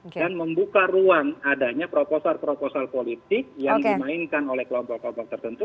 dan membuka ruang adanya proposal proposal politik yang dimainkan oleh kelompok kelompok tertentu